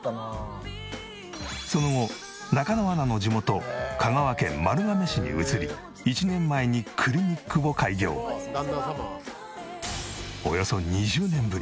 その後中野アナの地元香川県丸亀市に移り１年前にクリニックを開業。を送っている。